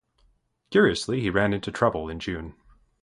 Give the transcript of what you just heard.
Curiously, he ran into trouble in June.